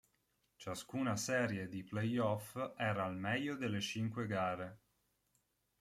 Ciascuna serie di playoff era al meglio delle cinque gare.